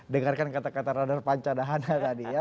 dengarkan kata kata radar pancadhana tadi ya